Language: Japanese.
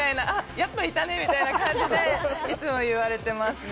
やっぱりいたねって言う感じで、いつも言われていますよね。